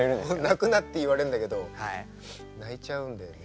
泣くなって言われるんだけど泣いちゃうんだよね。